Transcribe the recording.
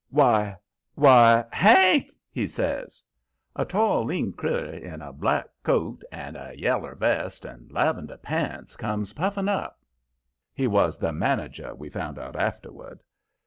"Why why, HANK!" he says. A tall, lean critter, in a black tail coat and a yaller vest and lavender pants, comes puffing up. He was the manager, we found out afterward.